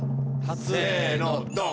せのドン。